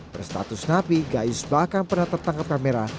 berstatus napi gais bahkan pernah tertangkap kamera